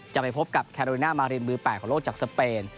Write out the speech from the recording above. จะไปพบกับแคโรริน่ามารินมือ๘ของโลกจากสเปน